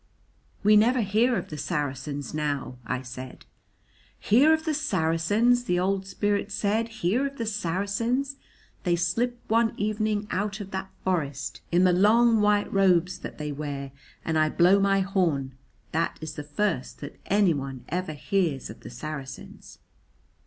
"We never hear of the Saracens now," I said. "Hear of the Saracens!" the old spirit said. "Hear of the Saracens! They slip one evening out of that forest, in the long white robes that they wear, and I blow my horn. That is the first that anyone ever hears of the Saracens."